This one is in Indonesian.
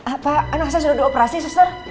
apa anak saya sudah dioperasi suster